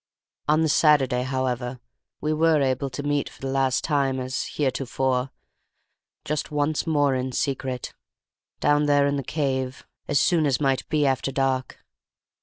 "On the Saturday, however, we were able to meet for the last time as heretofore—just once more in secret—down there in the cave—as soon as might be after dark.